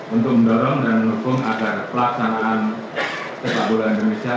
untuk mendorong dan mendukung agar pelaksanaan sepak bola indonesia